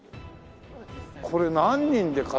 これ何人で。